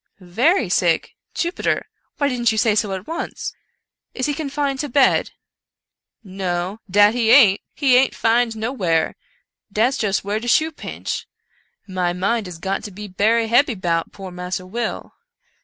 Very sick, Jupiter! — why didn't you say so at once? Is he confined to bed ?" "No, dat he aint! — he aint 'fin'd nowhar — dat's just whar de shoe pinch — my mind is got to be berry hebby 'bout poor Massa Will."